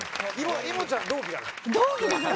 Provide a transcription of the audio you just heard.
いもちゃん同期だから。